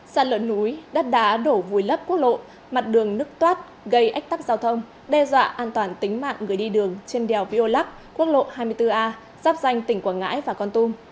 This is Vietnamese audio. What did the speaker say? xa lở núi đất đá đổ vùi lấp quốc lộ mặt đường nức toát gây ách tắc giao thông đe dọa an toàn tính mạng người đi đường trên đèo viô lắc quốc lộ hai mươi bốn a giáp danh tỉnh quảng ngãi và con tum